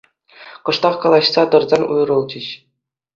Кӑштах калаҫса тӑрсан уйрӑлчӗҫ.